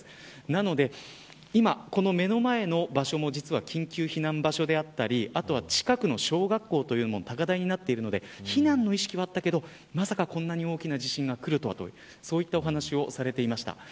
なので、今この目の前の場所も緊急避難場所であったりあとは近くの小学校も高台になっているので避難の意識はあったけどまさかこんなに大きな地震がくるとはそういったお話をされていました。